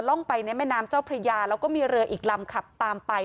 ไปในแม่น้ำเจ้าพระยาแล้วก็มีเรืออีกลำขับตามไป